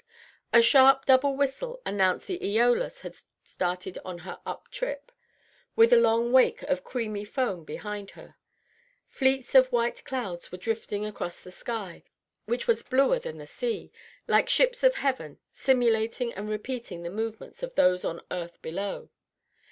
A sharp double whistle announced the "Eolus" just started on her up trip, with a long wake of creamy foam behind her. Fleets of white clouds were drifting across the sky, which was bluer than the sea, like ships of heaven, simulating and repeating the movements of those of earth below.